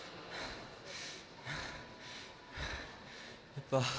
やっぱ。